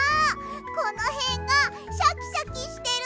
このへんがシャキシャキしてる！